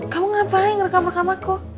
kamu ngapain rekam rekam aku